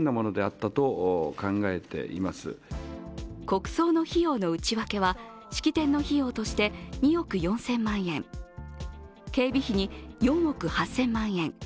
国葬の費用の内訳は式典の費用として２億４０００万円、警備費に４億８０００万円